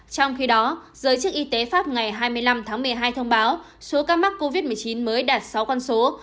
trong khi đó giới chức y tế pháp ngày hai mươi năm tháng một mươi hai thông báo số ca mắc covid một mươi chín mới đạt sáu con số